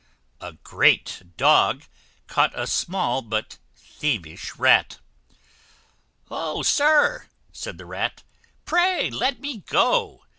A great Dog caught a small but thievish Rat. "O, sir!" said the Rat, "pray let me go.